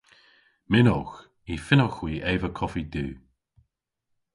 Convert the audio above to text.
Mynnowgh. Y fynnowgh hwi eva koffi du.